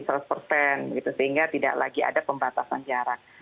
sehingga tidak lagi ada pembatasan jarak